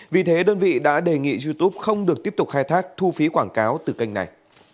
vì thế đơn vị đã đề nghị youtube không được tiếp tục khai thác thu phí quảng cáo từ kênh này